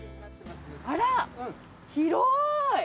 あら広い！